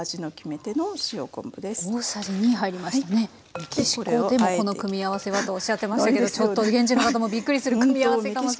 メキシコでもこの組み合わせはとおっしゃってましたけどちょっと現地の方もびっくりする組み合わせかもしれない。